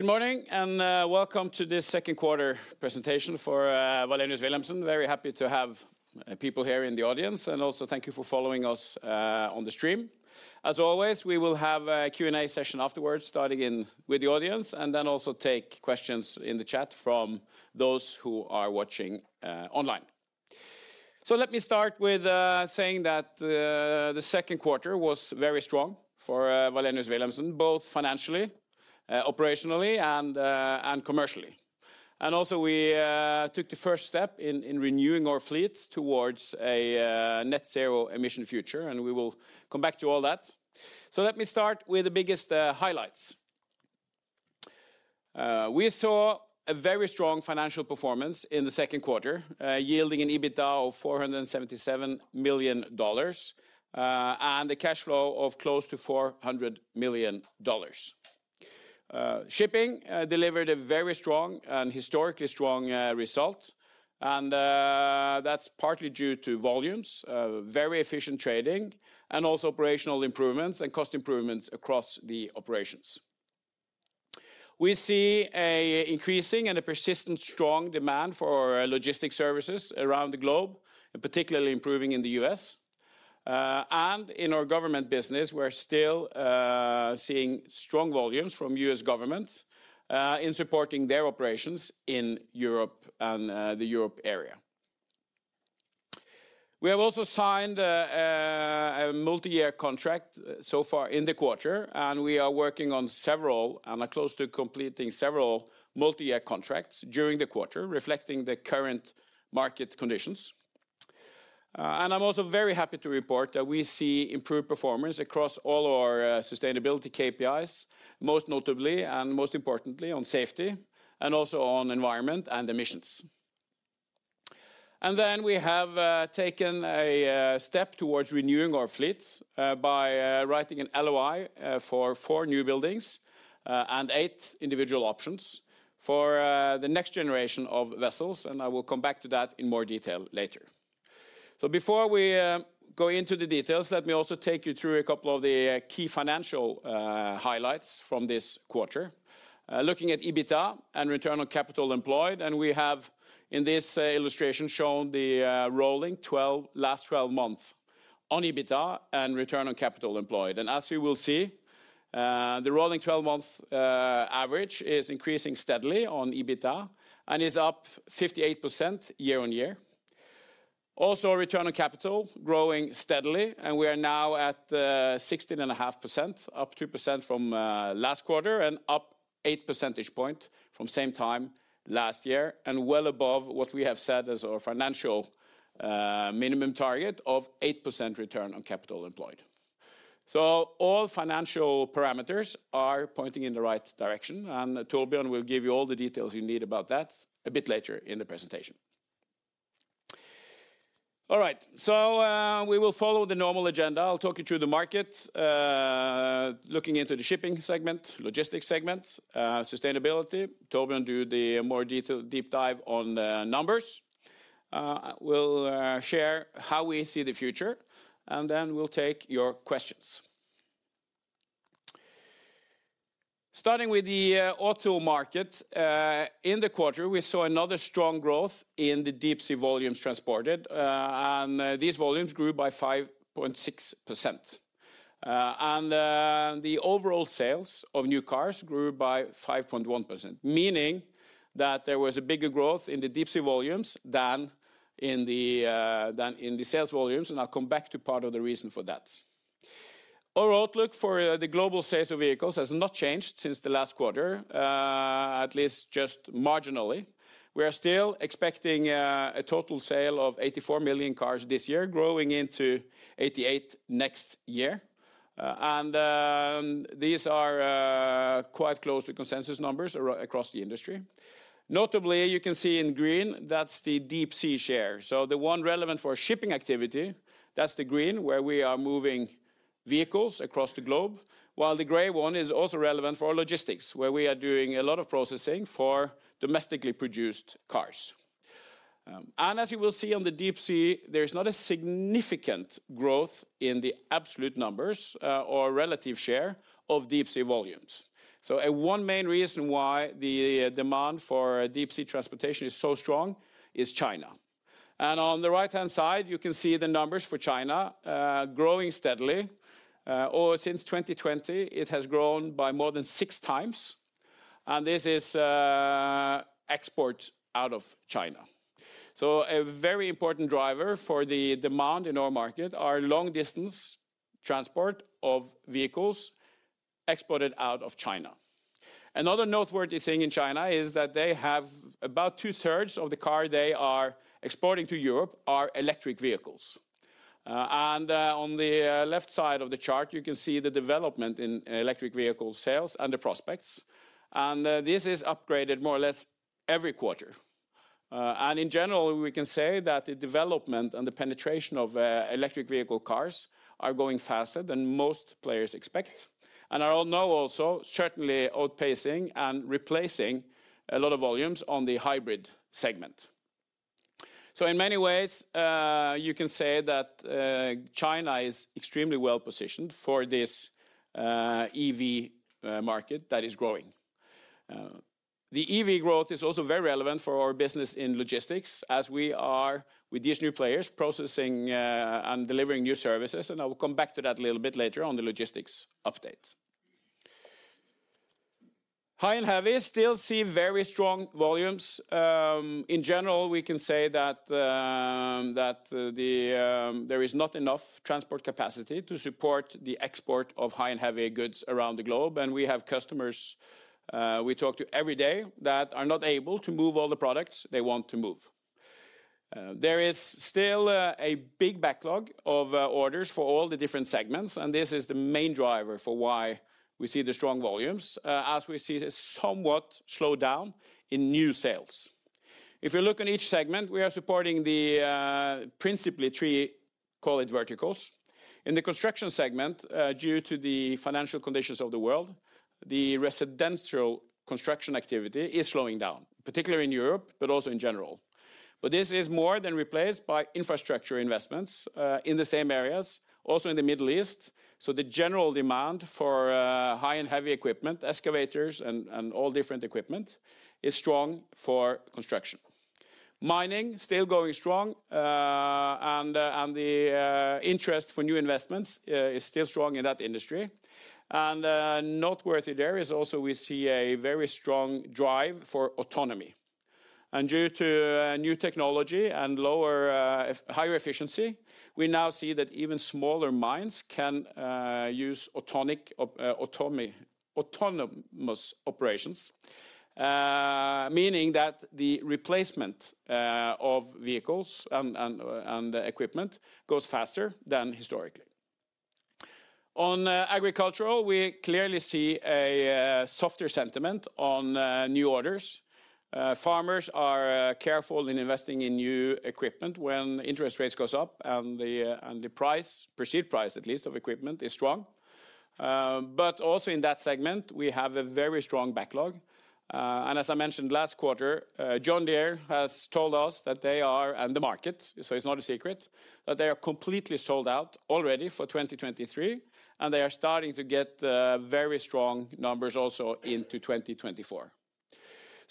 Good morning, welcome to this second quarter presentation for Wallenius Wilhelmsen. Very happy to have people here in the audience, and also thank you for following us on the stream. As always, we will have a Q&A session afterwards, starting in with the audience, and then also take questions in the chat from those who are watching online. Let me start with saying that the second quarter was very strong for Wallenius Wilhelmsen, both financially, operationally, and commercially. Also, we took the first step in renewing our fleet towards a net zero emission future, and we will come back to all that. Let me start with the biggest highlights. We saw a very strong financial performance in the second quarter, yielding an EBITDA of $477 million, and a cash flow of close to $400 million. Shipping delivered a very strong and historically strong result, that's partly due to volumes, very efficient trading, and also operational improvements and cost improvements across the operations. We see a increasing and a persistent strong demand for logistic services around the globe, and particularly improving in the U.S. In our government business, we're still seeing strong volumes from U.S. government in supporting their operations in Europe and the Europe area. We have also signed a multi-year contract so far in the quarter, and we are working on several and are close to completing several multi-year contracts during the quarter, reflecting the current market conditions. And I'm also very happy to report that we see improved performance across all our sustainability KPIs, most notably and most importantly on safety, and also on environment and emissions. And then we have taken a step towards renewing our fleet by writing an LOI for four newbuildings and eight individual options for the next generation of vessels, and I will come back to that in more detail later. Before we go into the details, let me also take you through a couple of the key financial highlights from this quarter. Looking at EBITDA and return on capital employed, we have, in this illustration, shown the rolling 12, last 12 months on EBITDA and return on capital employed. As you will see, the rolling 12-month average is increasing steadily on EBITDA and is up 58% year-on year. Also, return on capital growing steadily, and we are now at 16.5%, up 2% from last quarter, and up 8 percentage point from same time last year, and well above what we have said as our financial minimum target of 8% return on capital employed. All financial parameters are pointing in the right direction, and Torbjørn will give you all the details you need about that a bit later in the presentation. All right, we will follow the normal agenda. I'll talk you through the market, looking into the shipping segment, logistics segment, sustainability. Torbjørn do the more detail, deep dive on the numbers. We'll share how we see the future, and then we'll take your questions. Starting with the auto market, in the quarter, we saw another strong growth in the deep sea volumes transported, these volumes grew by 5.6%. The overall sales of new cars grew by 5.1%, meaning that there was a bigger growth in the deep sea volumes than in the than in the sales volumes, I'll come back to part of the reason for that. Our outlook for the global sales of vehicles has not changed since the last quarter, at least just marginally. We are still expecting a total sale of 84 million cars this year, growing into 88 next year. These are quite close to consensus numbers across the industry. Notably, you can see in green, that's the deep sea share. The one relevant for shipping activity, that's the green, where we are moving vehicles across the globe, while the gray one is also relevant for logistics, where we are doing a lot of processing for domestically produced cars. As you will see on the deep sea, there's not a significant growth in the absolute numbers or relative share of deep sea volumes. One main reason why the demand for deep sea transportation is so strong is China. On the right-hand side, you can see the numbers for China, growing steadily. Since 2020, it has grown by more than 6 times, and this is export out of China. A very important driver for the demand in our market are long-distance transport of vehicles exported out of China. Another noteworthy thing in China is that they have about 2/3 of the car they are exporting to Europe are electric vehicles. On the left side of the chart, you can see the development in electric vehicle sales and the prospects, this is upgraded more or less every quarter. In general, we can say that the development and the penetration of electric vehicle cars are going faster than most players expect, and are all now also certainly outpacing and replacing a lot of volumes on the hybrid segment. In many ways, you can say that China is extremely well-positioned for this EV market that is growing. The EV growth is also very relevant for our business in logistics, as we are, with these new players, processing and delivering new services, and I will come back to that a little bit later on the high & heavy still see very strong volumes. In general, we can say that the there is not enough transport capacity to support the high & heavy goods around the globe, and we have customers, we talk to every day that are not able to move all the products they want to move. There is still a big backlog of orders for all the different segments. This is the main driver for why we see the strong volumes, as we see it has somewhat slowed down in new sales. If you look on each segment, we are supporting the principally three, call it, verticals. In the Construction segment, due to the financial conditions of the world, the residential construction activity is slowing down, particularly in Europe, but also in general. This is more than replaced by infrastructure investments, in the same areas, also in the Middle East. The general high & heavy equipment, excavators, and all different equipment, is strong for construction. Mining, still going strong, and the interest for new investments, is still strong in that industry. Noteworthy there is also we see a very strong drive for autonomy. Due to new technology and lower higher efficiency, we now see that even smaller mines can use autonic autonomy, autonomous operations, meaning that the replacement of vehicles and equipment goes faster than historically. Agricultural, we clearly see a softer sentiment on new orders. Farmers are careful in investing in new equipment when interest rates goes up, and the price, perceived price at least, of equipment is strong. Also in that segment, we have a very strong backlog. As I mentioned last quarter, John Deere has told us that they are, and the market, so it's not a secret, that they are completely sold out already for 2023, and they are starting to get, very strong numbers also into 2024.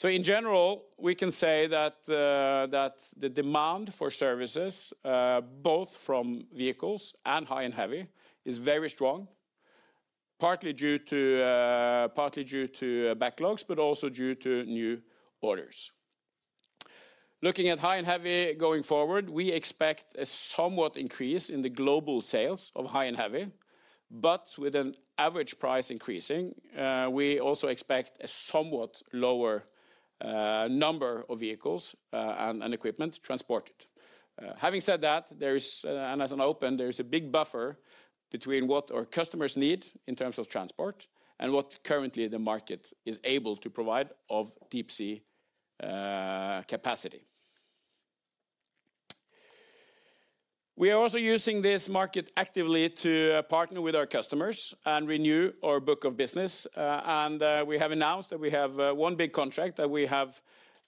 In general, we can say that the, that the demand for services, both from high & heavy, is very strong, partly due to, partly due to, backlogs, but also due to new orders. high & heavy going forward, we expect a somewhat increase in the global high & heavy, but with an average price increasing, we also expect a somewhat lower, number of vehicles, and, and equipment transported. Having said that, there is a big buffer between what our customers need in terms of transport and what currently the market is able to provide of deep-sea capacity. We are also using this market actively to partner with our customers and renew our book of business. We have announced that we have one big contract that we have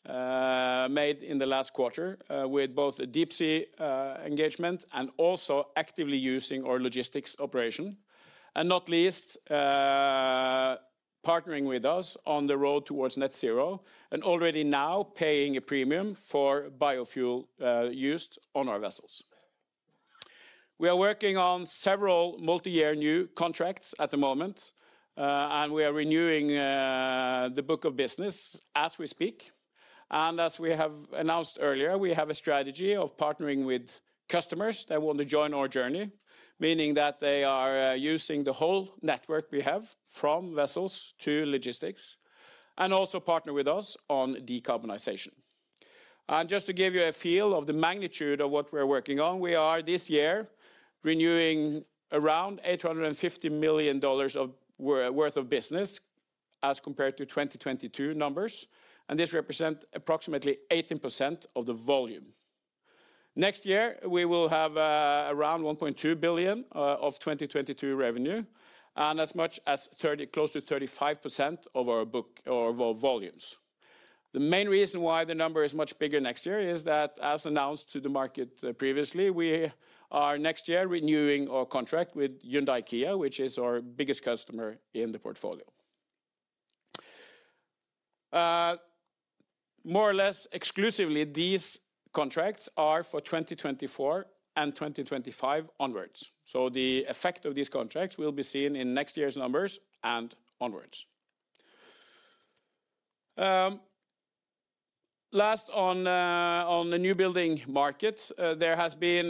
made in the last quarter with both a deep-sea engagement and also actively using our logistics operation. Not least, partnering with us on the road towards net zero, and already now paying a premium for biofuel used on our vessels. We are working on several multi-year new contracts at the moment, and we are renewing the book of business as we speak. As we have announced earlier, we have a strategy of partnering with customers that want to join our journey, meaning that they are using the whole network we have, from vessels to logistics, and also partner with us on decarbonization. Just to give you a feel of the magnitude of what we're working on, we are, this year, renewing around $850 million worth of business, as compared to 2022 numbers, and this represent approximately 18% of the volume. Next year, we will have around $1.2 billion of 2022 revenue, and as much as 30%, close to 35% of our book or our volumes. The main reason why the number is much bigger next year is that, as announced to the market, previously, we are, next year, renewing our contract with Hyundai Kia, which is our biggest customer in the portfolio. More or less exclusively, these contracts are for 2024 and 2025 onwards. The effect of these contracts will be seen in next year's numbers and onwards. Last on, on the new building market, there has been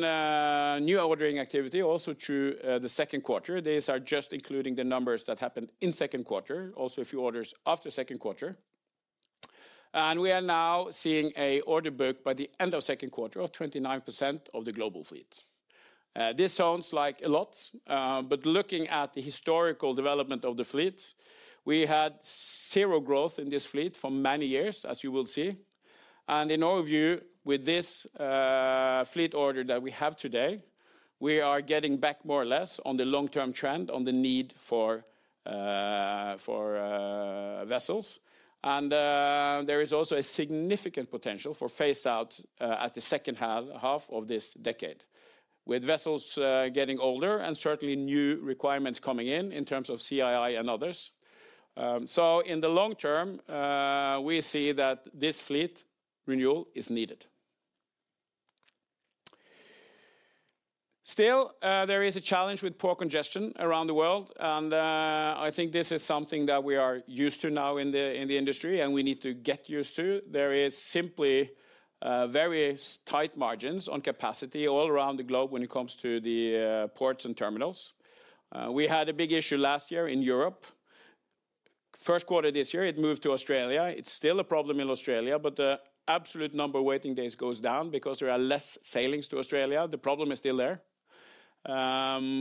new ordering activity also through the second quarter. These are just including the numbers that happened in second quarter, also a few orders after second quarter. We are now seeing an order book by the end of second quarter of 29% of the global fleet. This sounds like a lot, but looking at the historical development of the fleet, we had 0 growth in this fleet for many years, as you will see. In our view, with this fleet order that we have today, we are getting back more or less on the long-term trend on the need for vessels. There is also a significant potential for phase out at the second half of this decade, with vessels getting older and certainly new requirements coming in, in terms of CII and others. In the long term, we see that this fleet renewal is needed. Still, there is a challenge with port congestion around the world, and I think this is something that we are used to now in the, in the industry, and we need to get used to. There is simply very tight margins on capacity all around the globe when it comes to the ports and terminals. We had a big issue last year in Europe. First quarter this year, it moved to Australia. It's still a problem in Australia, but the absolute number of waiting days goes down because there are less sailings to Australia. The problem is still there.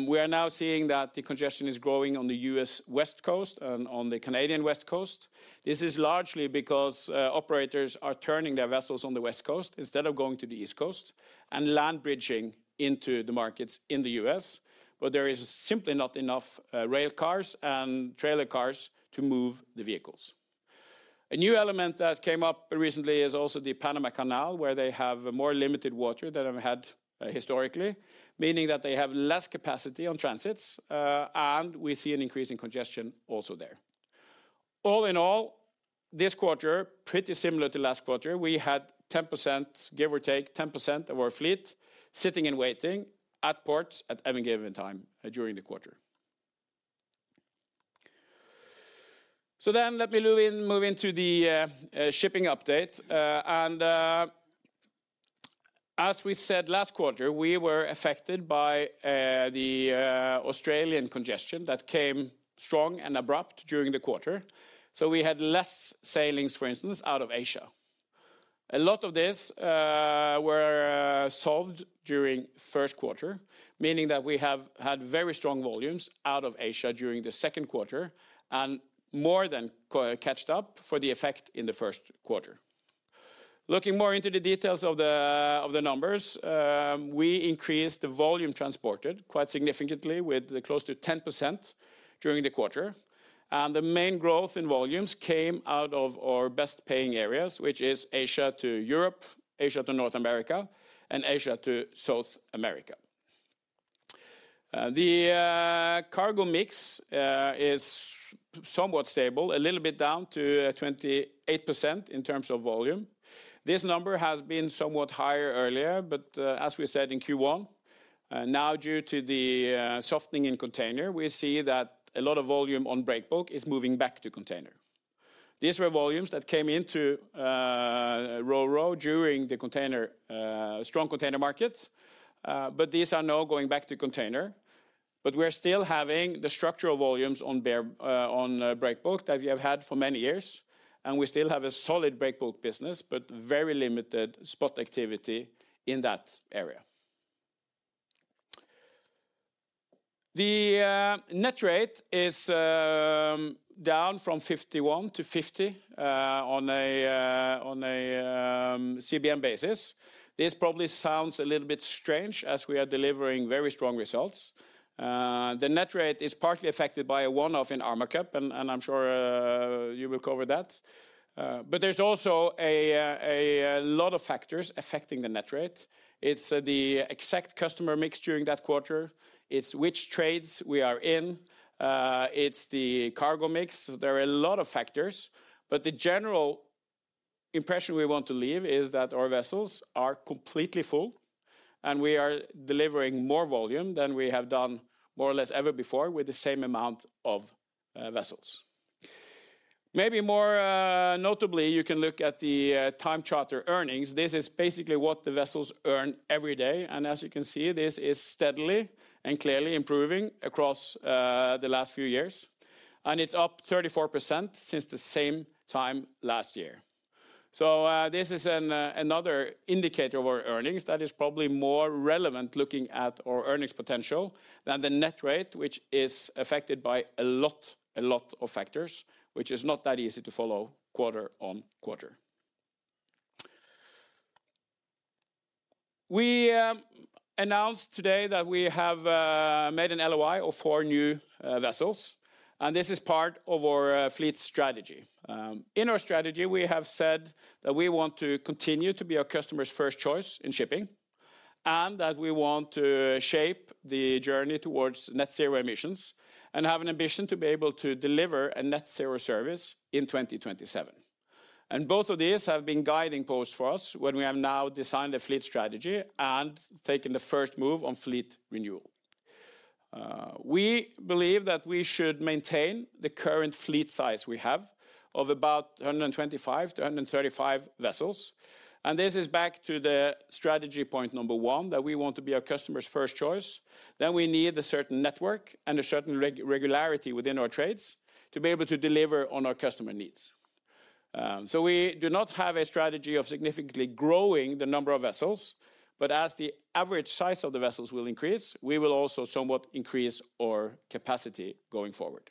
We are now seeing that the congestion is growing on the U.S. West Coast and on the Canadian West Coast. This is largely because operators are turning their vessels on the West Coast instead of going to the East Coast, and land bridging into the markets in the U.S., but there is simply not enough rail cars and trailer cars to move the vehicles. A new element that came up recently is also the Panama Canal, where they have more limited water than have had historically, meaning that they have less capacity on transits, and we see an increase in congestion also there. All in all, this quarter, pretty similar to last quarter, we had 10%, give or take, 10% of our fleet sitting and waiting at ports at any given time during the quarter. Let me move in, move into the shipping update. As we said last quarter, we were affected by the Australian congestion that came strong and abrupt during the quarter, so we had less sailings, for instance, out of Asia. A lot of this were solved during first quarter, meaning that we have had very strong volumes out of Asia during the second quarter, and more than catched up for the effect in the first quarter. Looking more into the details of the, of the numbers, we increased the volume transported quite significantly with close to 10% during the quarter. The main growth in volumes came out of our best-paying areas, which is Asia to Europe, Asia to North America, and Asia to South America. The cargo mix is somewhat stable, a little bit down to 28% in terms of volume. This number has been somewhat higher earlier, but as we said in Q1, now due to the softening in container, we see that a lot of volume on breakbulk is moving back to container. These were volumes that came into RoRo during the container, strong container markets, but these are now going back to container. But we are still having the structural volumes on bare, on breakbulk that we have had for many years, and we still have a solid breakbulk business, but very limited spot activity in that area. The net rate is down from $51 to $50 on a CBM basis. This probably sounds a little bit strange, as we are delivering very strong results. The net rate is partly affected by a one-off in Armacup, and, and I'm sure, you will cover that. There's also a lot of factors affecting the net rate. It's the exact customer mix during that quarter, it's which trades we are in, it's the cargo mix. There are a lot of factors, but the general impression we want to leave is that our vessels are completely full, and we are delivering more volume than we have done more or less ever before, with the same amount of vessels. Maybe more notably, you can look at the time charter earnings. This is basically what the vessels earn every day, and as you can see, this is steadily and clearly improving across the last few years, and it's up 34% since the same time last year. This is another indicator of our earnings that is probably more relevant looking at our earnings potential than the net rate, which is affected by a lot, a lot of factors, which is not that easy to follow quarter-on-quarter. We announced today that we have made an LOI of four new vessels, and this is part of our fleet strategy. In our strategy, we have said that we want to continue to be our customer's first choice in shipping, and that we want to shape the journey towards net zero emissions, and have an ambition to be able to deliver a net zero service in 2027. Both of these have been guiding posts for us when we have now designed a fleet strategy and taken the first move on fleet renewal. We believe that we should maintain the current fleet size we have of about 125 to 135 vessels. This is back to the strategy point number one, that we want to be our customer's first choice. We need a certain network and a certain regularity within our trades to be able to deliver on our customer needs. We do not have a strategy of significantly growing the number of vessels. As the average size of the vessels will increase, we will also somewhat increase our capacity going forward.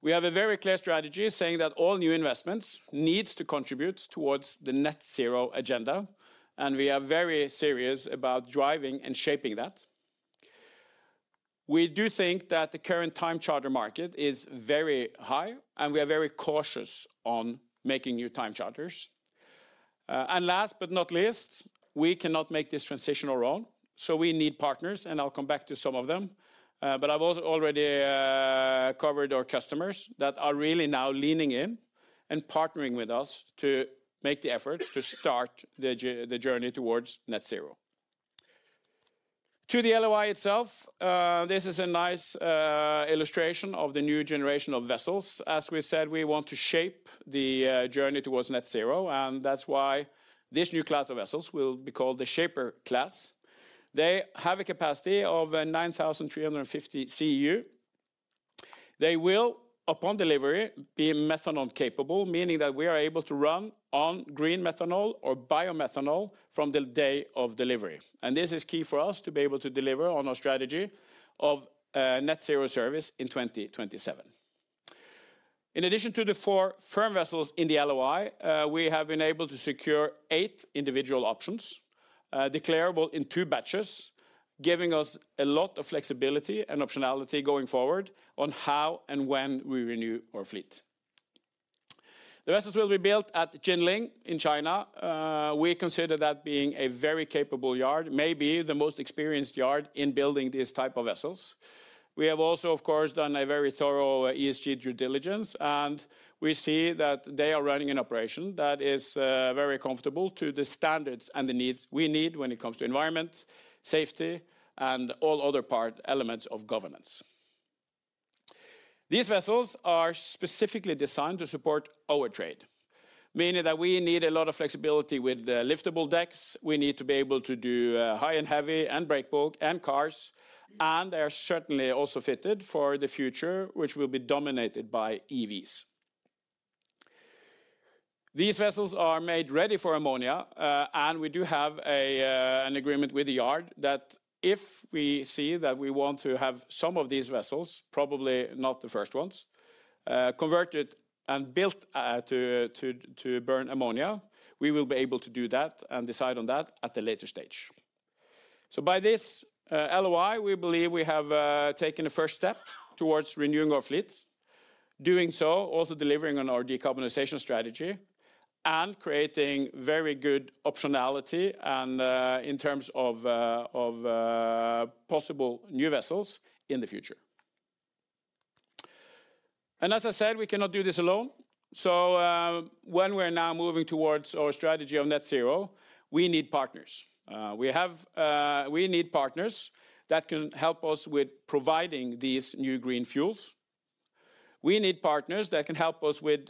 We have a very clear strategy saying that all new investments needs to contribute towards the net zero agenda. We are very serious about driving and shaping that. We do think that the current time charter market is very high. We are very cautious on making new time charters. Last but not least, we cannot make this transition alone, so we need partners, and I'll come back to some of them. I've also already covered our customers that are really now leaning in and partnering with us to make the effort to start the journey towards net zero. To the LOI itself, this is a nice illustration of the new generation of vessels. As we said, we want to shape the journey towards net zero, and that's why this new class of vessels will be called the Shaper Class. They have a capacity of 9,350 CEU. They will, upon delivery, be methanol capable, meaning that we are able to run on green methanol or biomethanol from the day of delivery, and this is key for us to be able to deliver on our strategy of net zero service in 2027. In addition to the four firm vessels in the LOI, we have been able to secure 8 individual options, declarable in two batches, giving us a lot of flexibility and optionality going forward on how and when we renew our fleet. The vessels will be built at Jinling in China. We consider that being a very capable yard, maybe the most experienced yard in building these type of vessels. We have also, of course, done a very thorough ESG due diligence, and we see that they are running an operation that is very comfortable to the standards and the needs we need when it comes to environment, safety, and all other elements of governance. These vessels are specifically designed to support our trade, meaning that we need a lot of flexibility with the liftable decks. We need to be able high & heavy, and breakbulk, and cars, and they are certainly also fitted for the future, which will be dominated by EVs. These vessels are made ready for ammonia, and we do have an agreement with the yard that if we see that we want to have some of these vessels, probably not the first ones, converted and built to burn ammonia, we will be able to do that and decide on that at a later stage. By this LOI, we believe we have taken a first step towards renewing our fleet. Doing so, also delivering on our decarbonization strategy and creating very good optionality in terms of possible new vessels in the future. As I said, we cannot do this alone. When we're now moving towards our strategy of net zero, we need partners. We need partners that can help us with providing these new green fuels. We need partners that can help us with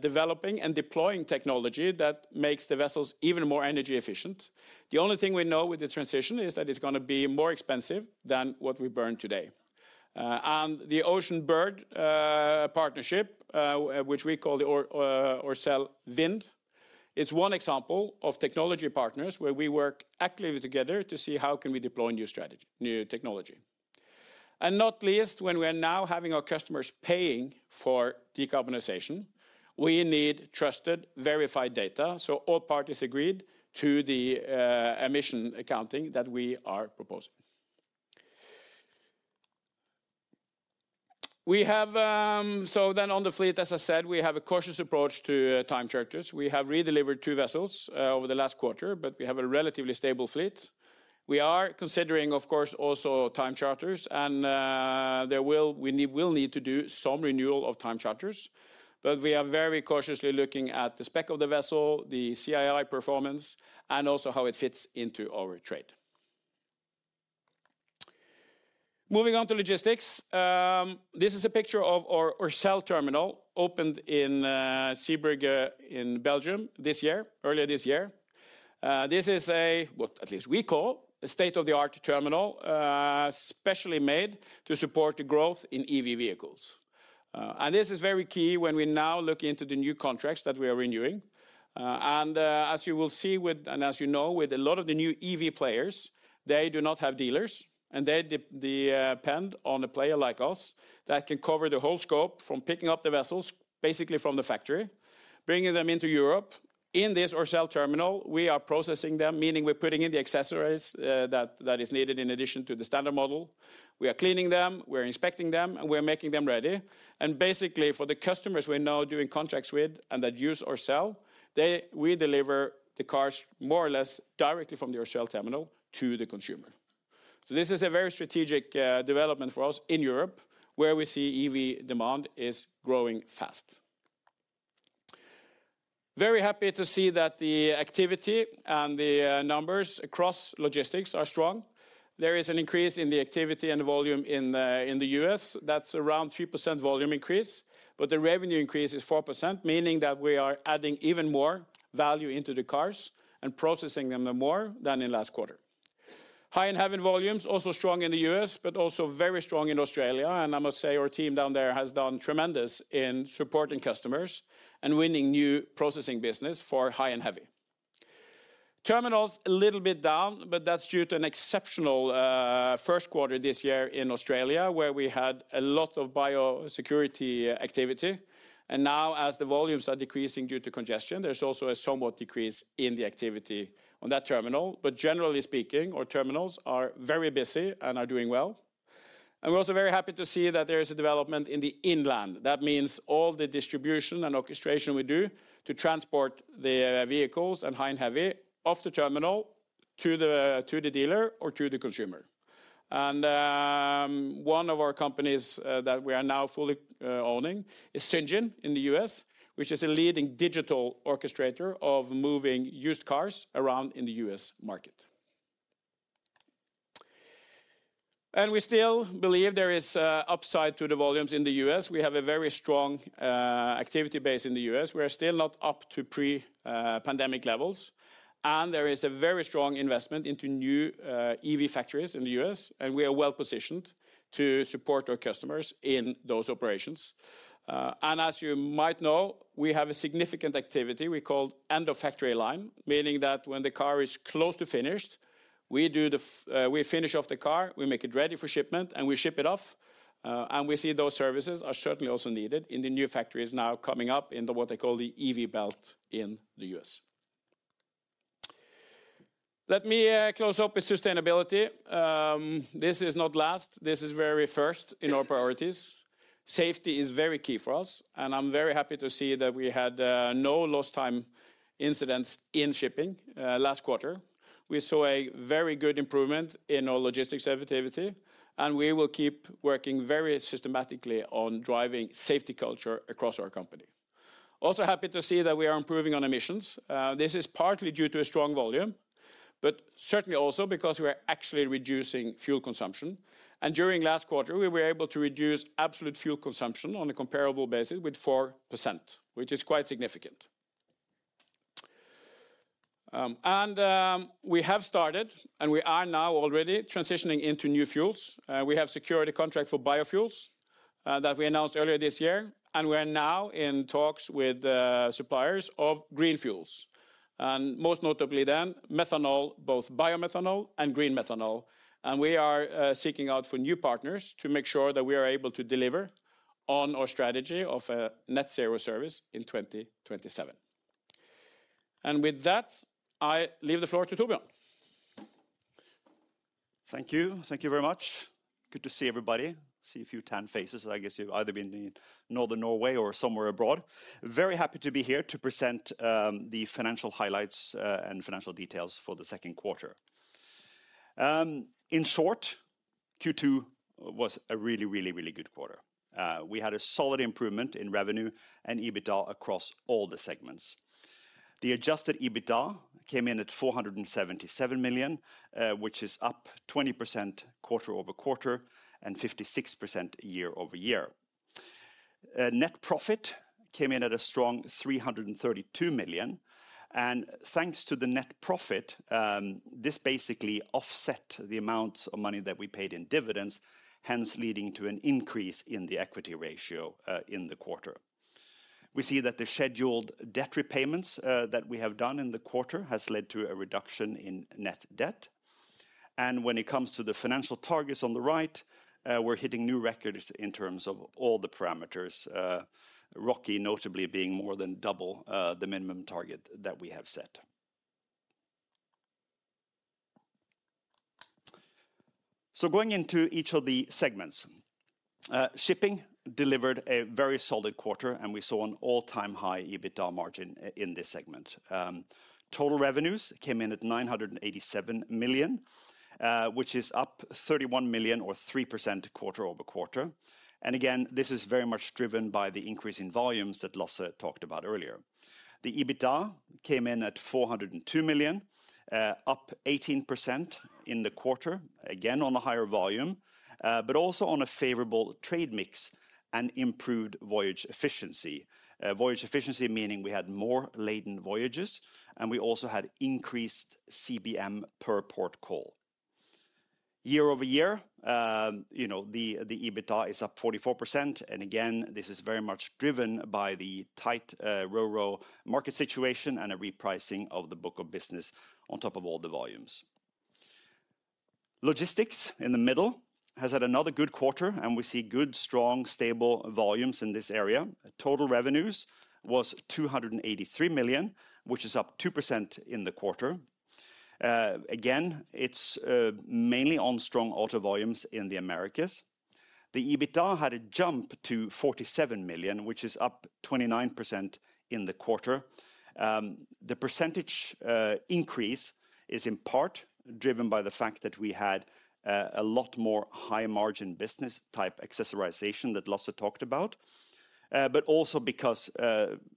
developing and deploying technology that makes the vessels even more energy efficient. The only thing we know with the transition is that it's gonna be more expensive than what we burn today. The Oceanbird partnership, which we call the Orcelle Wind, is one example of technology partners, where we work actively together to see how can we deploy new strategy, new technology. Not least, when we are now having our customers paying for decarbonization, we need trusted, verified data, so all parties agreed to the emission accounting that we are proposing. On the fleet, as I said, we have a cautious approach to time charters. We have redelivered two vessels over the last quarter, but we have a relatively stable fleet. We are considering, of course, also time charters and we need, will need to do some renewal of time charters, but we are very cautiously looking at the spec of the vessel, the CII performance, and also how it fits into our trade. Moving on to logistics, this is a picture of our Orcelle Terminal, opened in Zeebrugge in Belgium this year, earlier this year. This is a, what at least we call, a state-of-the-art terminal, specially made to support the growth in EV vehicles. This is very key when we now look into the new contracts that we are renewing. As you will see with, and as you know, with a lot of the new EV players, they do not have dealers, and they depend on a player like us, that can cover the whole scope from picking up the vessels, basically from the factory, bringing them into Europe. In this Orcelle Terminal, we are processing them, meaning we're putting in the accessories, that, that is needed in addition to the standard model. We are cleaning them, we are inspecting them, and we are making them ready. Basically, for the customers we're now doing contracts with and that use Orcelle, they- we deliver the cars more or less directly from the Orcelle Terminal to the consumer. This is a very strategic development for us in Europe, where we see EV demand is growing fast. Very happy to see that the activity and the numbers across logistics are strong. There is an increase in the activity and volume in the U.S., that's around 3% volume increase, but the revenue increase is 4%, meaning that we are adding even more value into the cars and processing them more than in high & heavy volumes, also strong in the U.S., but also very strong in Australia, and I must say our team down there has done tremendous in supporting customers and winning new processing high & heavy. terminals, a little bit down, but that's due to an exceptional first quarter this year in Australia, where we had a lot of biosecurity activity. Now, as the volumes are decreasing due to congestion, there's also a somewhat decrease in the activity on that terminal. Generally speaking, our terminals are very busy and are doing well. We're also very happy to see that there is a development in the inland. That means all the distribution and orchestration we do to transport the high & heavy off the terminal to the dealer or to the consumer. One of our companies that we are now fully owning is Syngin in the U.S., which is a leading digital orchestrator of moving used cars around in the U.S. market. We still believe there is upside to the volumes in the U.S. We have a very strong activity base in the U.S. We are still not up to pre-pandemic levels. There is a very strong investment into new EV factories in the U.S., and we are well-positioned to support our customers in those operations. As you might know, we have a significant activity we call end-of-factory line, meaning that when the car is close to finished, we finish off the car, we make it ready for shipment, and we ship it off. We see those services are certainly also needed in the new factories now coming up in the, what they call the EV Belt in the U.S. Let me close up with sustainability. This is not last, this is very first in our priorities. Safety is very key for us, and I'm very happy to see that we had no lost time incidents in shipping last quarter. We saw a very good improvement in our logistics activity, and we will keep working very systematically on driving safety culture across our company. Also happy to see that we are improving on emissions. This is partly due to a strong volume, but certainly also because we are actually reducing fuel consumption. During last quarter, we were able to reduce absolute fuel consumption on a comparable basis with 4%, which is quite significant. We have started, and we are now already transitioning into new fuels. We have secured a contract for biofuels that we announced earlier this year, and we are now in talks with suppliers of green fuels. Most notably then, methanol, both biomethanol and green methanol. We are seeking out for new partners to make sure that we are able to deliver on our strategy of a net zero service in 2027. With that, I leave the floor to Torbjørn. Thank you. Thank you very much. Good to see everybody, see a few tan faces. I guess you've either been in northern Norway or somewhere abroad. Very happy to be here to present the financial highlights and financial details for the second quarter. In short, Q2 was a really, really, really good quarter. We had a solid improvement in revenue and EBITDA across all the segments. The adjusted EBITDA came in at $477 million, which is up 20% quarter-over-quarter, and 56% year-over-year. Net profit came in at a strong $332 million, and thanks to the net profit, this basically offset the amount of money that we paid in dividends, hence leading to an increase in the equity ratio in the quarter. We see that the scheduled debt repayments that we have done in the quarter has led to a reduction in net debt. When it comes to the financial targets on the right, we're hitting new records in terms of all the parameters, ROCE notably being more than double the minimum target that we have set. Going into each of the segments. Shipping delivered a very solid quarter, and we saw an all-time high EBITDA margin in this segment. Total revenues came in at $987 million, which is up $31 million, or 3%, quarter-over-quarter. Again, this is very much driven by the increase in volumes that Lasse talked about earlier. The EBITDA came in at $402 million, up 18% in the quarter, again, on a higher volume, also on a favorable trade mix and improved voyage efficiency. Voyage efficiency, meaning we had more laden voyages, we also had increased CBM per port call. Year-over-year, you know, the EBITDA is up 44%, again, this is very much driven by the tight RoRo market situation and a repricing of the book of business on top of all the volumes. Logistics, in the middle, has had another good quarter, we see good, strong, stable volumes in this area. Total revenues was $283 million, which is up 2% in the quarter. Again, it's mainly on strong auto volumes in the Americas. The EBITDA had a jump to $47 million, which is up 29% in the quarter. The percentage increase is in part driven by the fact that we had a lot more high-margin business-type accessorization that Lasse talked about, but also because,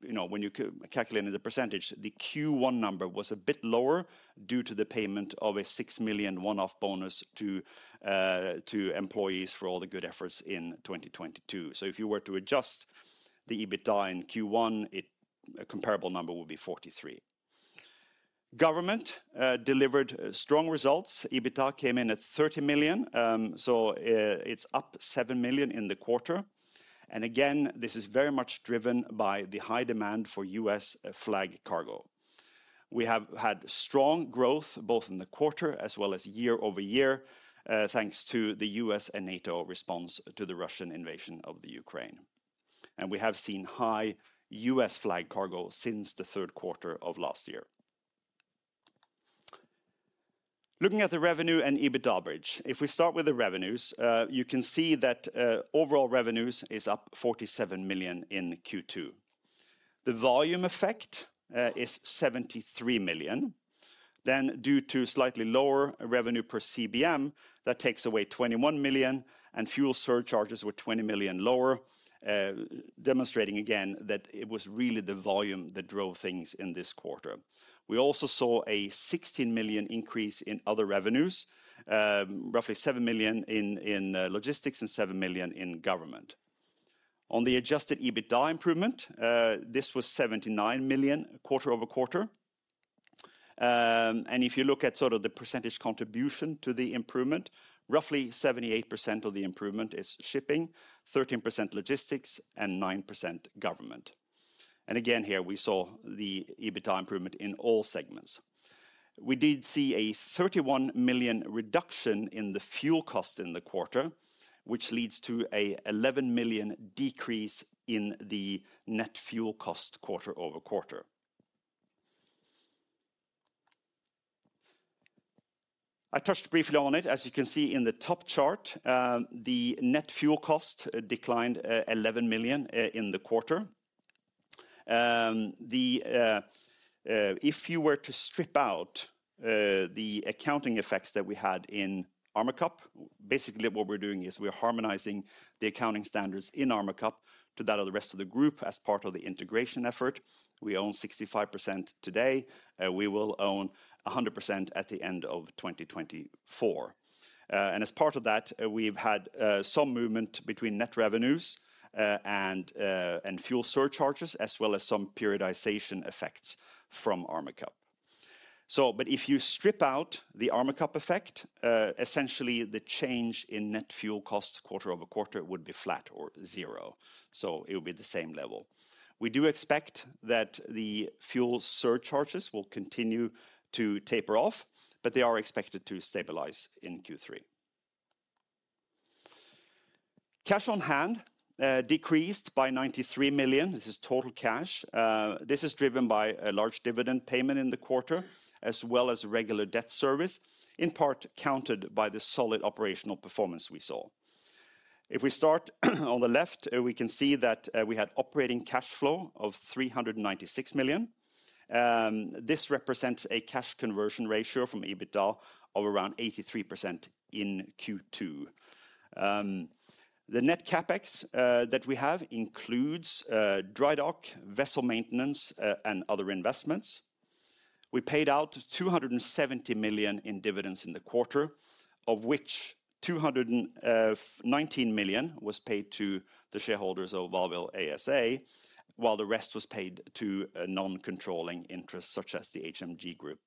you know, when you calculating the percentage, the Q1 number was a bit lower due to the payment of a $6 million one-off bonus to employees for all the good efforts in 2022. So if you were to adjust the EBITDA in Q1, it... a comparable number would be $43. Government delivered strong results. EBITDA came in at $30 million, so it's up $7 million in the quarter. Again, this is very much driven by the high demand for U.S. flag cargo. We have had strong growth, both in the quarter as well as year-over-year, thanks to the U.S. and NATO response to the Russian invasion of the Ukraine. We have seen high U.S. flag cargo since the third quarter of last year. Looking at the revenue and EBITDA bridge, if we start with the revenues, you can see that overall revenues is up $47 million in Q2. The volume effect is $73 million. Due to slightly lower revenue per CBM, that takes away $21 million, and fuel surcharges were $20 million lower, demonstrating again that it was really the volume that drove things in this quarter. We also saw a $16 million increase in other revenues, roughly $7 million in, in logistics and $7 million in government. On the adjusted EBITDA improvement, this was $79 million quarter-over-quarter. If you look at sort of the percentage contribution to the improvement, roughly 78% of the improvement is shipping, 13% logistics, and 9% government. Again, here, we saw the EBITDA improvement in all segments. We did see a $31 million reduction in the fuel cost in the quarter, which leads to a $11 million decrease in the net fuel cost quarter-over-quarter. I touched briefly on it. As you can see in the top chart, the net fuel cost declined $11 million in the quarter. If you were to strip out the accounting effects that we had in Armacup, basically what we're doing is we're harmonizing the accounting standards in Armacup to that of the rest of the group as part of the integration effort. We own 65% today, we will own 100% at the end of 2024. As part of that, we've had some movement between net revenues and fuel surcharges, as well as some periodization effects from Armacup. If you strip out the Armacup effect, essentially, the change in net fuel costs quarter-over-quarter would be flat or zero, so it would be the same level. We do expect that the fuel surcharges will continue to taper off, but they are expected to stabilize in Q3. Cash on hand decreased by $93 million. This is total cash. This is driven by a large dividend payment in the quarter, as well as regular debt service, in part, countered by the solid operational performance we saw. If we start on the left, we can see that we had operating cash flow of $396 million. This represents a cash conversion ratio from EBITDA of around 83% in Q2. The net CapEx that we have includes dry dock, vessel maintenance, and other investments. We paid out $270 million in dividends in the quarter, of which $219 million was paid to the shareholders of Wallenius Wilhelmsen ASA, while the rest was paid to non-controlling interests, such as the HMG Group,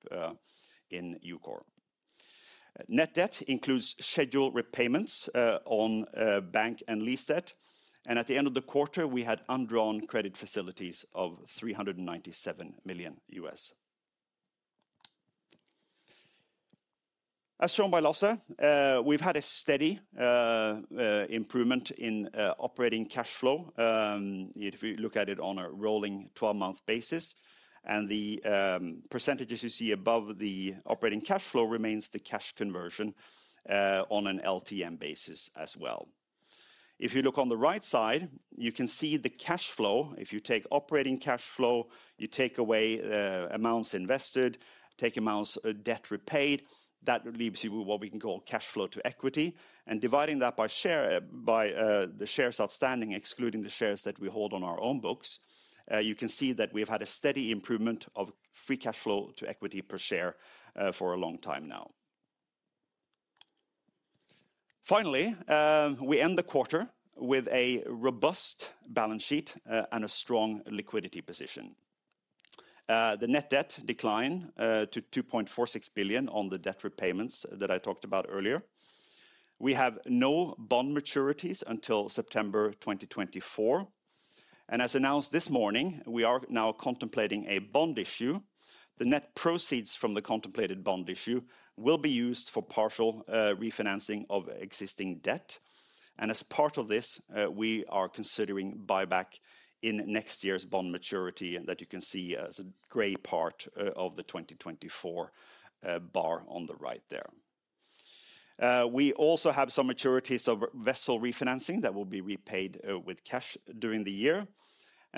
in EUKOR. Net debt includes schedule repayments on bank and lease debt. At the end of the quarter, we had undrawn credit facilities of $397 million U.S. As shown by Lasse, we've had a steady improvement in operating cash flow. If we look at it on a rolling 12-month basis, and the percentages you see above the operating cash flow remains the cash conversion on an LTM basis as well. If you look on the right side, you can see the cash flow. If you take operating cash flow, you take away amounts invested, take amounts debt repaid, that leaves you with what we can call cash flow to equity. Dividing that by share, by the shares outstanding, excluding the shares that we hold on our own books, you can see that we've had a steady improvement of free cash flow to equity per share for a long time now. Finally, we end the quarter with a robust balance sheet and a strong liquidity position. The net debt decline to $2.46 billion on the debt repayments that I talked about earlier. We have no bond maturities until September 2024. As announced this morning, we are now contemplating a bond issue. The net proceeds from the contemplated bond issue will be used for partial refinancing of existing debt. As part of this, we are considering buyback in next year's bond maturity, and that you can see as a gray part of the 2024 bar on the right there. We also have some maturities of vessel refinancing that will be repaid with cash during the year.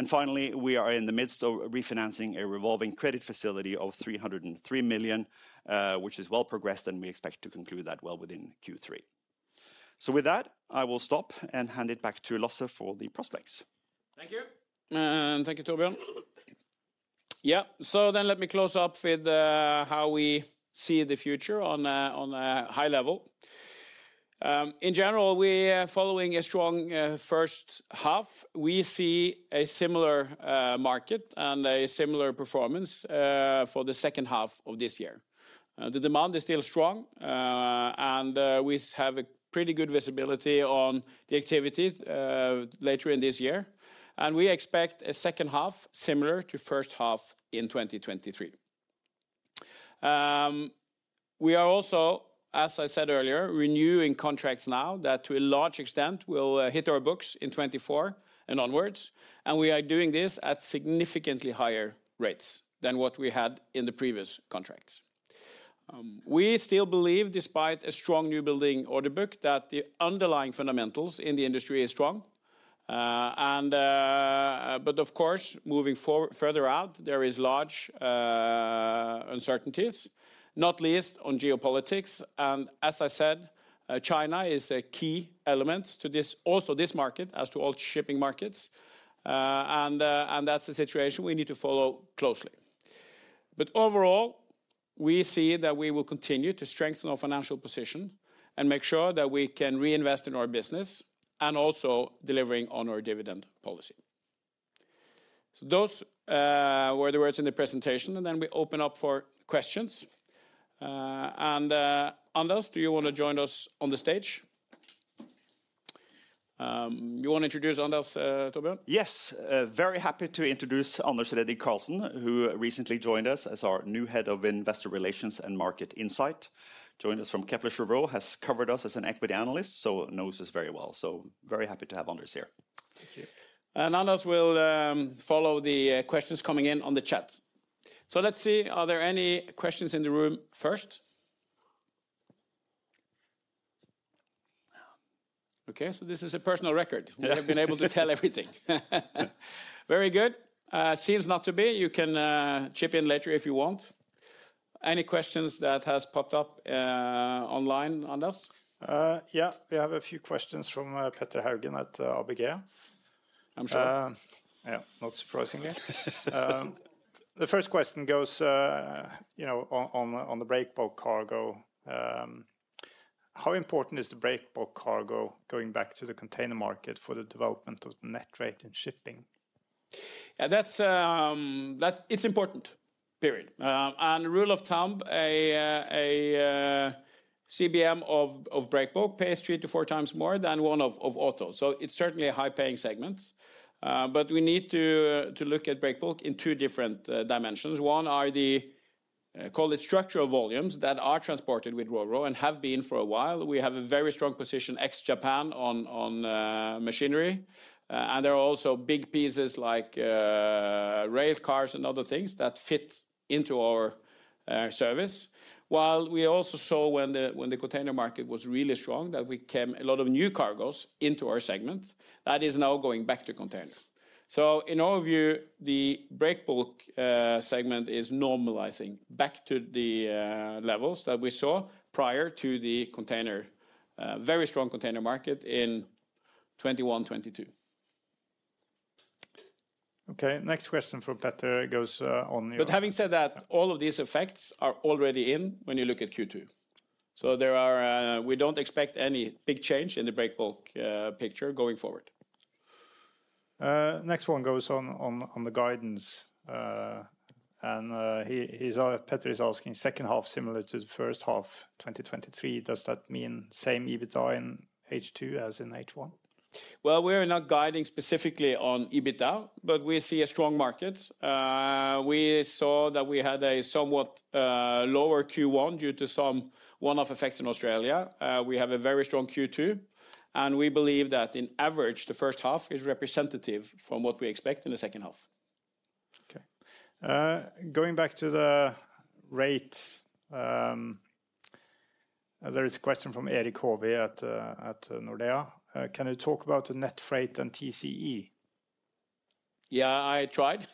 Finally, we are in the midst of refinancing a revolving credit facility of $303 million, which is well progressed. We expect to conclude that well within Q3. With that, I will stop and hand it back to Lasse for the prospects. Thank you, and thank you, Torbjørn. Let me close up with how we see the future on a high level. In general, we are following a strong first half. We see a similar market and a similar performance for the second half of this year. The demand is still strong, and we have a pretty good visibility on the activity later in this year. We expect a second half, similar to first half in 2023. We are also, as I said earlier, renewing contracts now that to a large extent will hit our books in 2024 and onwards, and we are doing this at significantly higher rates than what we had in the previous contracts. We still believe, despite a strong new building order book, that the underlying fundamentals in the industry is strong. Of course, moving forward, further out, there is large uncertainties, not least on geopolitics. As I said, China is a key element to this, also this market, as to all shipping markets, that's the situation we need to follow closely. Overall, we see that we will continue to strengthen our financial position and make sure that we can reinvest in our business, and also delivering on our dividend policy. Those were the words in the presentation, and then we open up for questions. Anders, do you want to join us on the stage? You want to introduce Anders, Torbjørn? Yes, very happy to introduce Anders Redigh Karlsen, who recently joined us as our new head of Investor Relations and Market Insight. Joined us from Kepler Cheuvreux, has covered us as an equity analyst, so knows us very well. Very happy to have Anders here. Thank you. Anders will follow the questions coming in on the chat. Let's see, are there any questions in the room first? This is a personal record. We have been able to tell everything. Very good. Seems not to be. You can chip in later if you want. Any questions that has popped up online, Anders? Yeah, we have a few questions from Petter Haugen at ABG Sundal Collier. I'm sure. Yeah, not surprisingly. The first question goes, you know, on, on, on the break bulk cargo. How important is the break bulk cargo going back to the container market for the development of the net rate in shipping? Yeah, that's, that's... It's important. Period. Rule of thumb, a CBM of breakbulk pays 3 to 4 times more than one of auto, so it's certainly a high-paying segment. We need to look at Breakbulk in two different dimensions. One are the call it structural volumes that are transported with RoRo and have been for a while. We have a very strong position ex-Japan on machinery. There are also big pieces like rail cars and other things that fit into our service. While we also saw when the container market was really strong, that we came a lot of new cargos into our segment, that is now going back to container. In our view, the Breakbulk segment is normalizing back to the levels that we saw prior to the container, very strong container market in 2021, 2022. Okay, next question from Petter goes, on- Having said that, all of these effects are already in when you look at Q2. There are, we don't expect any big change in the break bulk picture going forward. Next one goes on, on, on the guidance. Petter is asking second half similar to the first half, 2023, does that mean same EBITDA in H2 as in H1? Well, we are not guiding specifically on EBITDA, but we see a strong market. We saw that we had a somewhat lower Q1 due to some one-off effects in Australia. We have a very strong Q2, and we believe that in average, the first half is representative from what we expect in the second half. Okay. Going back to the rate, there is a question from Eirik Hovi at Nordea. "Can you talk about the net freight and TCE?" Yeah, I tried.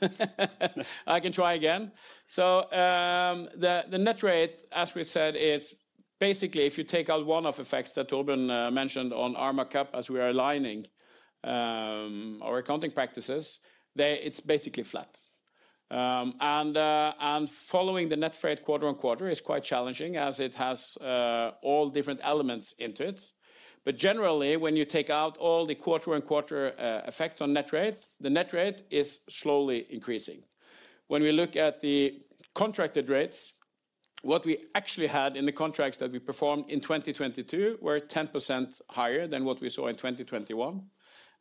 I can try again. The, the net rate, as we said, is basically if you take out one-off effects that Torbjørn mentioned on Armacup, as we are aligning our accounting practices, it's basically flat. Following the net freight quarter-on-quarter is quite challenging, as it has all different elements into it. Generally, when you take out all the quarter-on-quarter effects on net rate, the net rate is slowly increasing. When we look at the contracted rates, what we actually had in the contracts that we performed in 2022 were 10% higher than what we saw in 2021.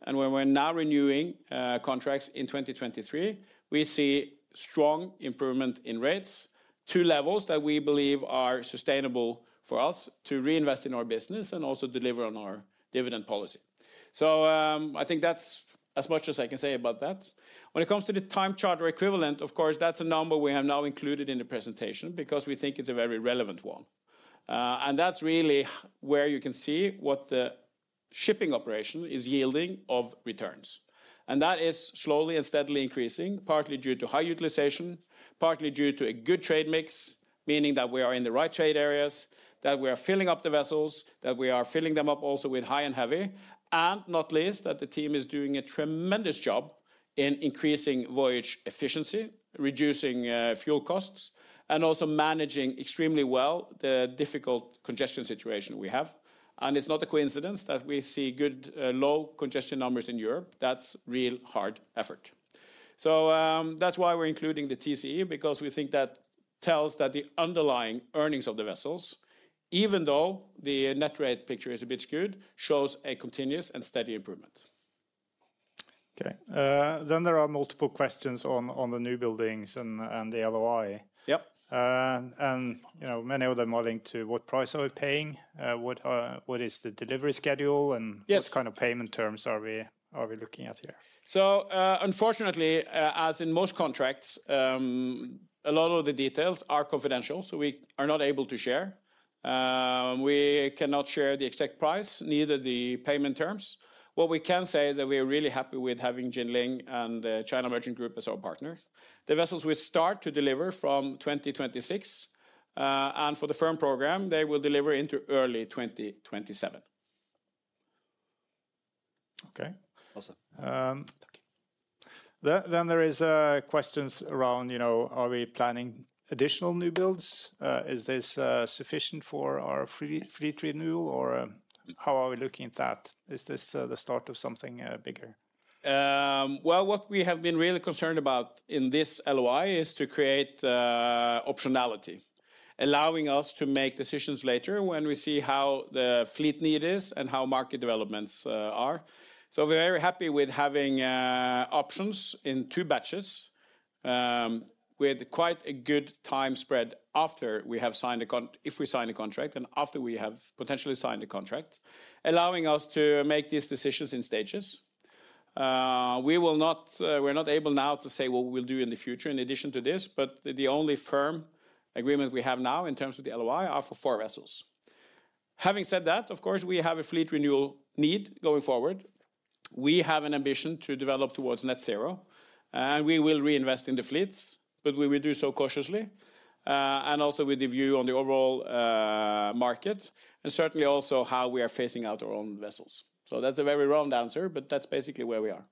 When we're now renewing, contracts in 2023, we see strong improvement in rates to levels that we believe are sustainable for us to reinvest in our business and also deliver on our dividend policy. I think that's as much as I can say about that. When it comes to the Time Charter Equivalent, of course, that's a number we have now included in the presentation, because we think it's a very relevant one. That's really where you can see what the shipping operation is yielding of returns. That is slowly and steadily increasing, partly due to high utilization, partly due to a good trade mix, meaning that we are in the right trade areas, that we are filling up the vessels, that we are filling them up high & heavy, and not least, that the team is doing a tremendous job in increasing voyage efficiency, reducing fuel costs, and also managing extremely well the difficult congestion situation we have. It's not a coincidence that we see good low congestion numbers in Europe. That's real hard effort. That's why we're including the TCE, because we think that tells that the underlying earnings of the vessels, even though the net rate picture is a bit skewed, shows a continuous and steady improvement. Okay, then there are multiple questions on, on the new buildings and, and the LOI. Yep. You know, many of them are linked to what price are we paying, what are, what is the delivery schedule. Yes. What kind of payment terms are we, are we looking at here? Unfortunately, as in most contracts, a lot of the details are confidential, so we are not able to share. We cannot share the exact price, neither the payment terms. What we can say is that we are really happy with having Jinling and China Merchants Group as our partner. The vessels will start to deliver from 2026, and for the firm program, they will deliver into early 2027. Okay. Awesome. Thank you. There is, questions around, you know, are we planning additional new builds? Is this sufficient for our fleet, fleet renewal, or, how are we looking at that? Is this the start of something bigger? Well, what we have been really concerned about in this LOI is to create optionality, allowing us to make decisions later when we see how the fleet need is and how market developments are. We're very happy with having options in two batches, with quite a good time spread after we have signed a contract, if we sign a contract, and after we have potentially signed a contract, allowing us to make these decisions in stages. We will not. We're not able now to say what we will do in the future in addition to this, but the only firm agreement we have now in terms of the LOI are for four vessels. Having said that, of course, we have a fleet renewal need going forward. We have an ambition to develop towards net zero, and we will reinvest in the fleets, but we will do so cautiously, and also with the view on the overall market, and certainly also how we are phasing out our own vessels. That's a very round answer, but that's basically where we are.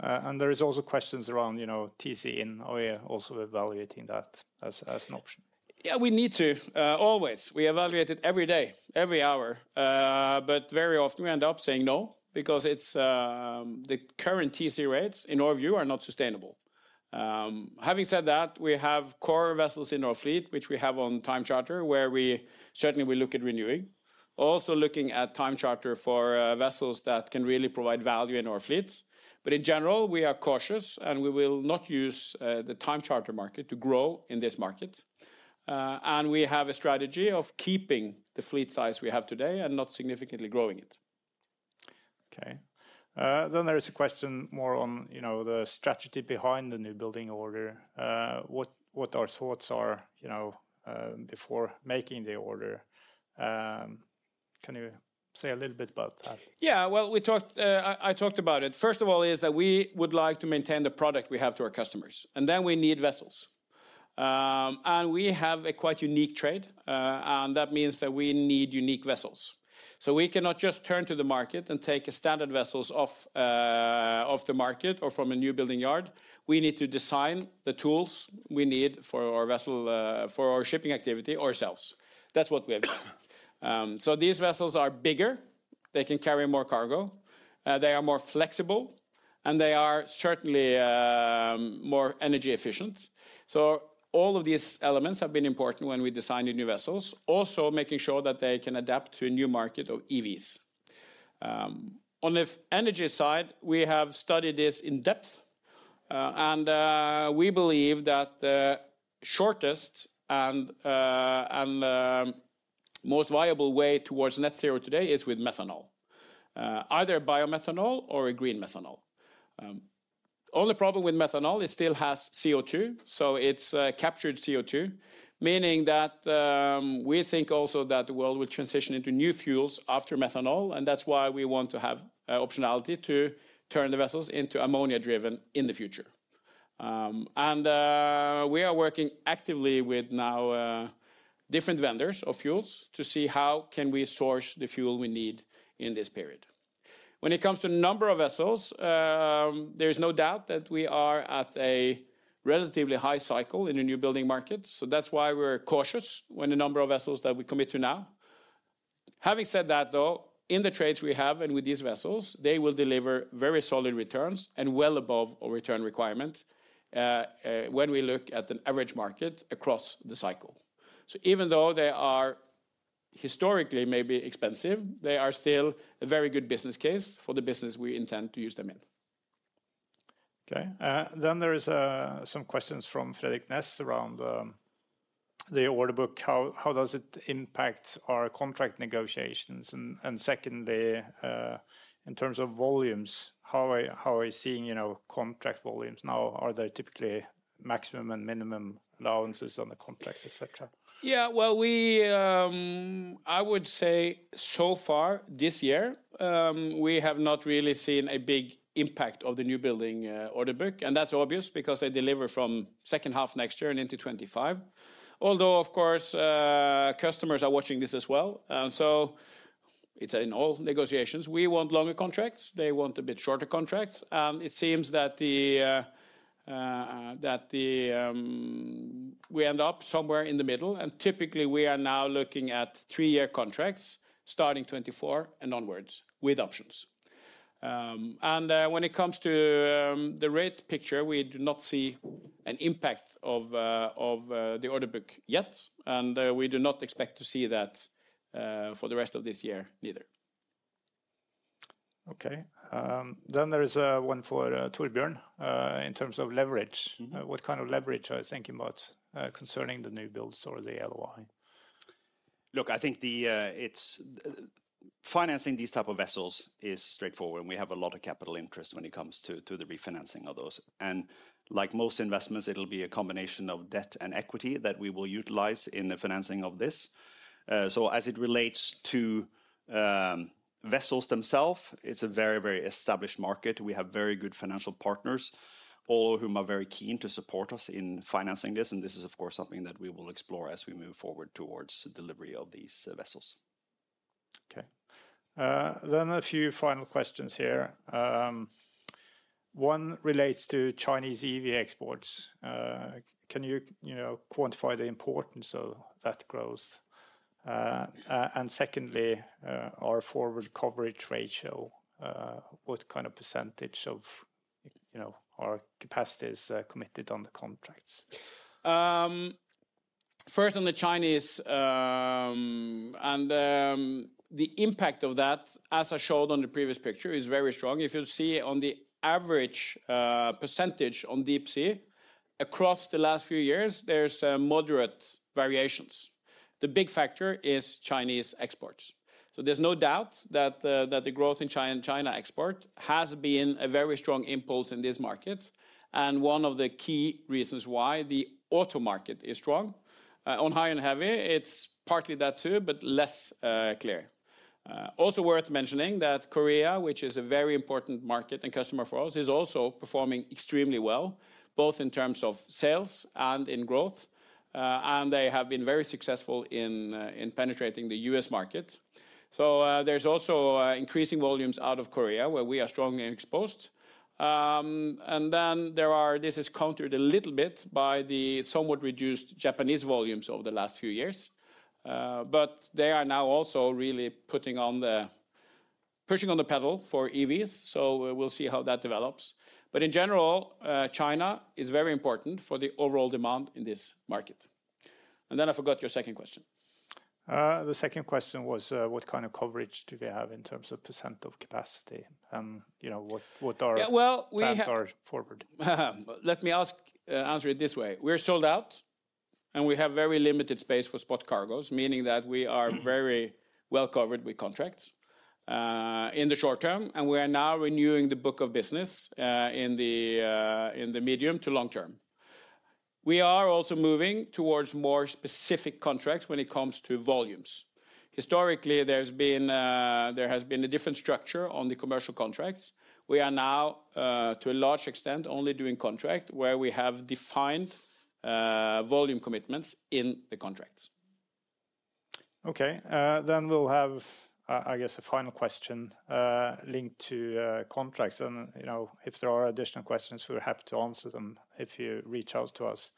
Yeah. There is also questions around, you know, TC, and are we also evaluating that as an option? Yeah, we need to, always. We evaluate it every day, every hour, but very often we end up saying no, because it's, the current TC rates, in our view, are not sustainable. Having said that, we have core vessels in our fleet, which we have on time charter, where we certainly will look at renewing. Also looking at time charter for, vessels that can really provide value in our fleets. In general, we are cautious, and we will not use, the time charter market to grow in this market. We have a strategy of keeping the fleet size we have today and not significantly growing it. Okay. There is a question more on, you know, the strategy behind the new building order. What, what our thoughts are, you know, before making the order. Can you say a little bit about that? Yeah. Well, we talked, I, I talked about it. First of all, is that we would like to maintain the product we have to our customers, and then we need vessels. We have a quite unique trade, and that means that we need unique vessels. We cannot just turn to the market and take standard vessels off, off the market or from a new building yard. We need to design the tools we need for our vessel, for our shipping activity ourselves. That's what we have done. These vessels are bigger, they can carry more cargo, they are more flexible, and they are certainly more energy efficient. All of these elements have been important when we design the new vessels, also making sure that they can adapt to a new market of EVs. On the energy side, we have studied this in depth, and we believe that the shortest and most viable way towards net zero today is with methanol, either biomethanol or a green methanol. Only problem with methanol, it still has CO2, so it's captured CO2, meaning that we think also that the world will transition into new fuels after methanol, and that's why we want to have optionality to turn the vessels into ammonia-driven in the future. We are working actively with now different vendors of fuels to see how can we source the fuel we need in this period. When it comes to number of vessels, there is no doubt that we are at a relatively high cycle in the new building market, so that's why we're cautious when the number of vessels that we commit to now. Having said that, though, in the trades we have and with these vessels, they will deliver very solid returns and well above our return requirement, when we look at the average market across the cycle. Even though they are historically maybe expensive, they are still a very good business case for the business we intend to use them in. Okay, there is some questions from Fredrik Ness around the order book. How does it impact our contract negotiations? Secondly, in terms of volumes, how are we seeing, you know, contract volumes now? Are there typically maximum and minimum allowances on the contracts, et cetera? Well, we I would say so far this year, we have not really seen a big impact of the new building order book, and that's obvious because they deliver from second half next year and into 2025. Although, of course, customers are watching this as well, and so it's in all negotiations. We want longer contracts, they want a bit shorter contracts, and it seems that the we end up somewhere in the middle, and typically we are now looking at three-year contracts starting 2024 and onwards, with options. When it comes to the rate picture, we do not see an impact of of the order book yet, and we do not expect to see that for the rest of this year neither. Okay. There is one for Torbjørn. In terms of leverage... Mm-hmm. What kind of leverage are you thinking about, concerning the new builds or the LOI? Look, I think the, it's, financing these type of vessels is straightforward, and we have a lot of capital interest when it comes to the refinancing of those. Like most investments, it'll be a combination of debt and equity that we will utilize in the financing of this. As it relates to, vessels themselves, it's a very, very established market. We have very good financial partners, all of whom are very keen to support us in financing this, and this is, of course, something that we will explore as we move forward towards delivery of these, vessels. Okay. Then a few final questions here. One relates to Chinese EV exports. Can you, you know, quantify the importance of that growth? Secondly, our forward coverage ratio, what kind of % of, you know, our capacity is committed on the contracts? First, on the Chinese, and the impact of that, as I showed on the previous picture, is very strong. If you'll see on the average percentage on deep sea across the last few years, there's moderate variations. The big factor is Chinese exports. There's no doubt that the growth in China export has been a very strong impulse in this market, and one of the key reasons why the auto market is high & heavy, it's partly that too, but less clear. Also worth mentioning that Korea, which is a very important market and customer for us, is also performing extremely well, both in terms of sales and in growth. They have been very successful in penetrating the U.S. market. There's also increasing volumes out of Korea, where we are strongly exposed. Then this is countered a little bit by the somewhat reduced Japanese volumes over the last few years. They are now also really pushing on the pedal for EVs, so we'll see how that develops. In general, China is very important for the overall demand in this market. Then I forgot your second question. The second question was, what kind of coverage do we have in terms of % of capacity? You know, what are- Yeah, well, we have. plans are forward? Let me ask, answer it this way: we're sold out, and we have very limited space for spot cargoes, meaning that we are very well-covered with contracts, in the short term, and we are now renewing the book of business, in the medium to long term. We are also moving towards more specific contracts when it comes to volumes. Historically, there's been, there has been a different structure on the commercial contracts. We are now, to a large extent, only doing contract where we have defined, volume commitments in the contracts. Okay, then we'll have, I guess, a final question, linked to, contracts. You know, if there are additional questions, we're happy to answer them if you reach out to us.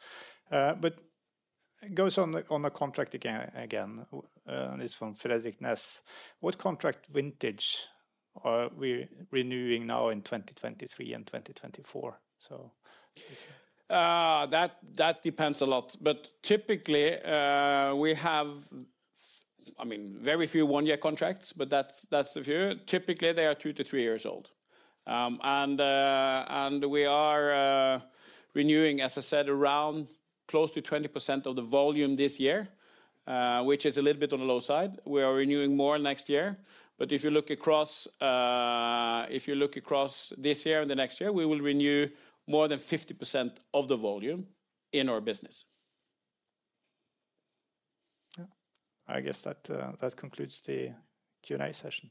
It goes on the, on the contract again, again, and it's from Fredrik Ness. What contract vintage are we renewing now in 2023 and 2024, so? That, that depends a lot, but typically, we have, I mean, very few one-year contracts, but that's, that's the view. Typically, they are two to three years old. We are renewing, as I said, around close to 20% of the volume this year, which is a little bit on the low side. We are renewing more next year, but if you look across, if you look across this year and the next year, we will renew more than 50% of the volume in our business. Yeah. I guess that, that concludes the Q&A session.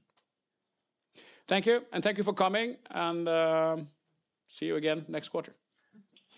Thank you, and thank you for coming, and, see you again next quarter.